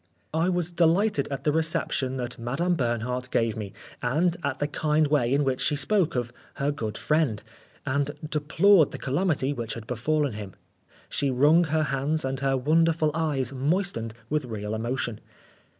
I was delighted at the reception that Madame Bernhardt gave me and at the kind way in which she spoke of t her good friend, 1 and deplored the calamity which had befallen him. She wrung her hands, and her wonderful eyes moistened with real emotion.